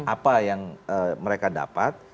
apa yang mereka dapat